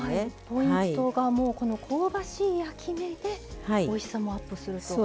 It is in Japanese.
ポイントが香ばしい焼き目でおいしさもアップすると。